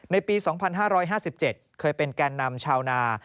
ปี๒๕๕๗เคยเป็นแก่นำชาวนา